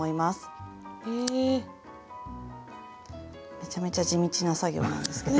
めちゃめちゃ地道な作業なんですけど。